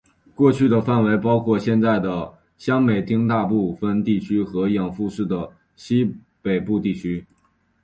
过去的范围包括现在的香美町大部分地区和养父市的西北部地区。